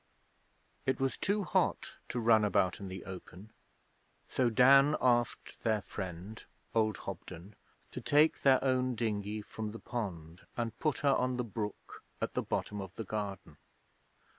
It was too hot to run about in the open, so Dan asked their friend, old Hobden, to take their own dinghy from the pond and put her on the brook at the bottom of the garden.